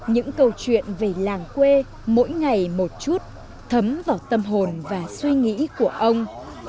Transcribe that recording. những câu chuyện về làng quê mỗi ngày một chút thấm vào tâm hồn và suy nghĩ của ông